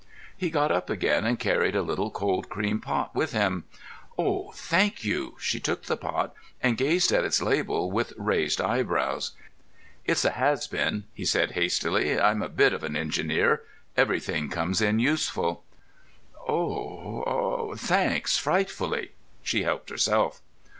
He got up again, and carried a little cold cream pot with him. "Oh, thank you!" She took the pot and gazed at its label, with raised eyebrows. "It's a has been," he said hastily. "I'm a bit of an engineer. Everything comes in useful." "Oh—thanks frightfully." She helped herself.